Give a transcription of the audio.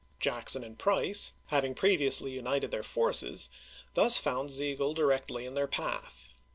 Jackson and Price, having previously united their forces, thus found Sigel directly in their path.